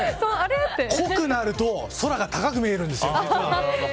濃くなると空が高く見えるんですよ。